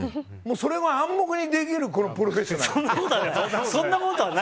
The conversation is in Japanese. それも暗黙にできるプロフェッショナル。